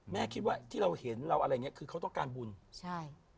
คิดว่าที่เราเห็นเราอะไรอย่างเงี้คือเขาต้องการบุญใช่